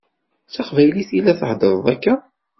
D taqbaylit i la theddṛeḍ akka?